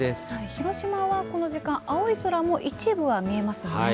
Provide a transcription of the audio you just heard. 広島はこの時間青い空も一部は見えますね。